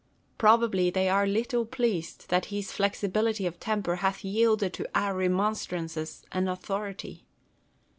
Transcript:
Probably they are little pleased that his flexibility of temper hath yielded to our remonstrances and authority.